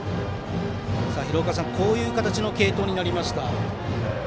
廣岡さん、こういう形の継投になりました。